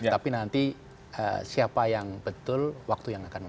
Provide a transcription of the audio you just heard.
tapi nanti siapa yang betul waktu yang nanti